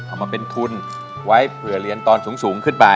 เอามาเป็นทุนไว้เผื่อเรียนตอนสูงขึ้นไป